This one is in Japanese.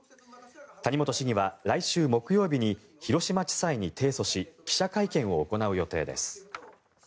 谷本市議は来週木曜日に広島地裁に提訴し記者会見を行う予定です。